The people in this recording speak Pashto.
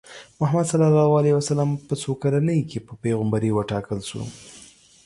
محمد ص په څو کلنۍ کې په پیغمبرۍ وټاکل شو؟